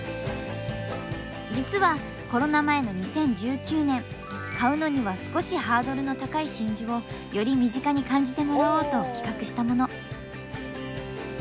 実はコロナ前の２０１９年買うのには少しハードルの高い真珠をより身近に感じてもらおうと企画したもの。